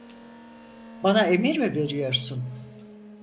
Bana emir mi veriyorsun?